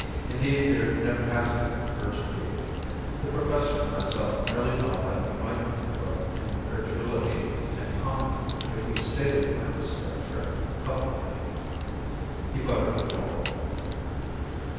Indeed there never has been urgent need of it: the Professor and myself merely thought we might provoke incredulity and comment if we stated the purpose of our trip publicly." He buttered a roll.